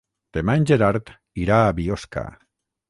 Demà en Gerard irà a Biosca.